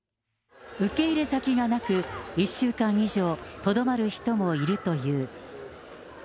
受け入れ先がなく、１週間以上とどまる人もいるという。